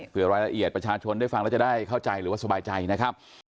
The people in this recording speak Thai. เพื่อรายละเอียดประชาชนได้ฟังแล้วจะได้เข้าใจหรือว่าสบายใจนะครับ